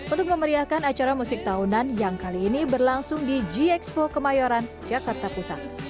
untuk memeriahkan acara musik tahunan yang kali ini berlangsung di g expo kemayoran jakarta pusat